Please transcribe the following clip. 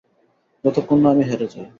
যতক্ষণ না আমি হেরে যাই।